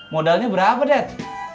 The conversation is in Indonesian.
modalnya berapa det